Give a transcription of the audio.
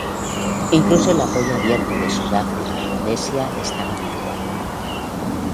Incluso el apoyo abierto de Sudáfrica a Rhodesia estaba menguando.